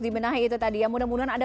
dibenahi itu tadi ya mudah mudahan anda